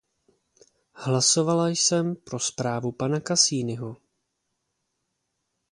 Hlasovala jsem pro zprávu pana Casiniho.